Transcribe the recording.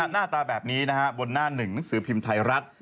หน้าตาแบบนี้นะฮะบนหน้าหนึ่งหนังสือพิมพ์ไทยรัฐ